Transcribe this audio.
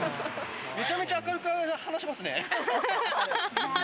めちゃめちゃ明るく話しますね。